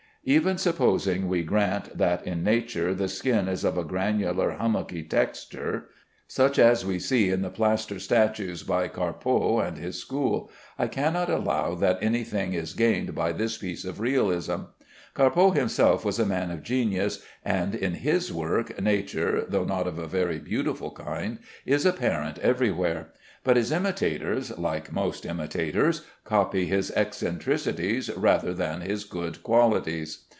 Even supposing we grant that, in nature, the skin is of a granular hummocky texture, such as we see in the plaster statues by Carpeaux and his school, I cannot allow that any thing is gained by this piece of realism. Carpeaux himself was a man of genius, and in his work, nature (though not of a very beautiful kind) is apparent everywhere; but his imitators, like most imitators, copy his eccentricities rather than his good qualities.